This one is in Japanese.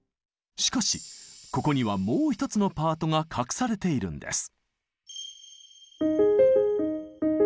しかしここにはもう一つのパートが隠されているんです。